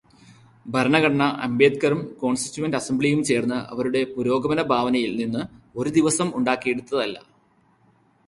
ഭരണഘടന അംബേദ്കറും കോണ്സ്റ്റിറ്റ്യുവന്റ് അസംബ്ലിയും ചേര്ന്ന് അവരുടെ പുരോഗമനഭാവനയില് നിന്ന് ഒരു ദിവസം ഉണ്ടാക്കിയെടുത്തതല്ല.